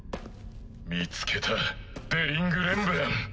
見つけたデリング・レンブラン。